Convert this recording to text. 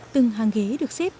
từng hang ghế được xếp